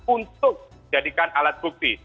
untuk menjadikan alat bukti